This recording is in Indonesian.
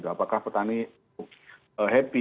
apakah petani happy